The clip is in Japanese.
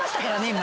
今。